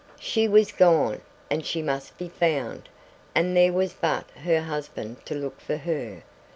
She was gone, and she must be found, and there was but her husband to look for her.